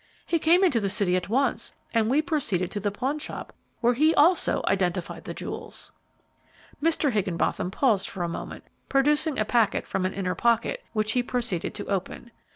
He came in to the city at once, and we proceeded to the pawnshop, where he also identified the jewels." Mr. Higgenbotham paused for a moment, producing a package from an inner pocket, which he proceeded to open.